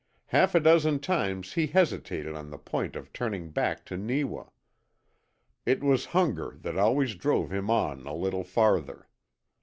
Half a dozen times he hesitated on the point of turning back to Neewa. It was hunger that always drove him on a little farther.